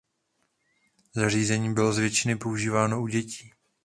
Zařízení bylo z většiny používáno u dětí.